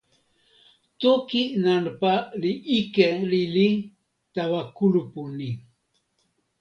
toki nanpa li ike lili tawa kulupu ni.